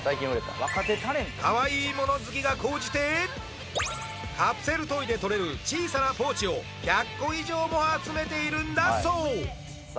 かわいいもの好きが高じてカプセルトイで取れる小さなポーチを１００個以上も集めているんだそう